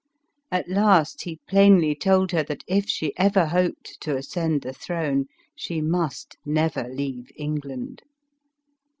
At last he plainly told her that if she ever hoped to ascend the throne, she must never leave England.